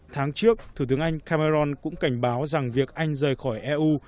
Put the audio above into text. tháng trước thủ tướng anh cameron cũng cảnh báo rằng việc anh rời khỏi eu